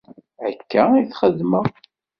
Akka i t-xedmeɣ.